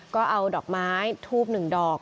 ก็เอาดอกไม้ทูบ๑ดอก